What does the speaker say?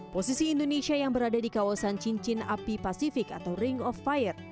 posisi indonesia yang berada di kawasan cincin api pasifik atau ring of fire